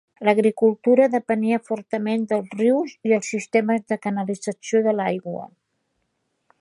L'agricultura depenia fortament dels rius i els sistemes de canalització de l'aigua.